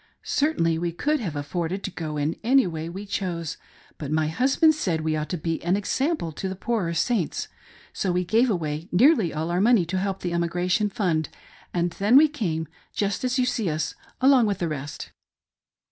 Certainly we could have afforded to go in any way we chose, but my husband said we ought to be an example to the poorer saints ; so we gave away nearly all our money to help the emigration fund, and then we came, just as you see us, along with the rest."